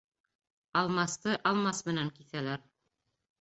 Алмасты алмас менән киҫәләр.